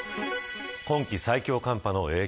今季最強寒波の影響